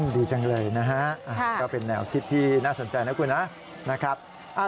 ดีจังเลยนะฮะก็เป็นแนวคิดที่น่าสนใจนะคุณนะนะครับ